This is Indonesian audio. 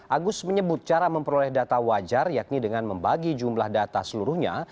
agus menyebut cara memperoleh data wajar yakni dengan membagi jumlah data seluruhnya